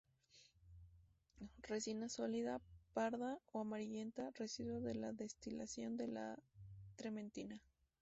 Resina sólida, parda o amarillenta, residuo de la destilación de la trementina.